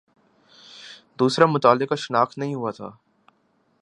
دوسرا متعلقہ شناخت نہیں ہوا تھا